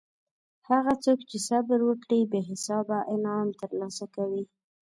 هغه څوک چې صبر وکړي بې حسابه انعام ترلاسه کوي.